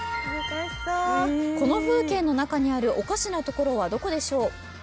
この風景の中にあるおかしなところはどこでしょう？